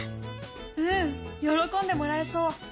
うん喜んでもらえそう。